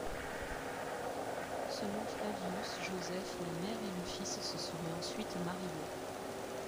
Selon Flavius Josèphe, la mère et le fils se seraient ensuite mariés.